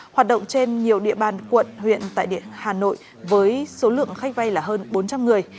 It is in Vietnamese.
hoạt động trên nhiều địa bàn quận huyện tại địa hà nội với số lượng khách vay là hơn bốn trăm linh người